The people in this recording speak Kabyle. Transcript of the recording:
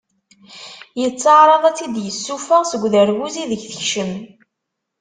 Yettaɛraḍ ad tt-id-yessufeɣ seg uderbuz ideg i teckem.